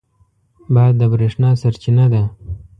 باد د برېښنا سرچینه ده.